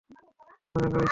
মজা করছি না।